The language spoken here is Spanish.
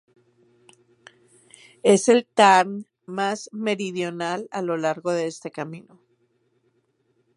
Es el tarn más meridional a lo largo de ese camino.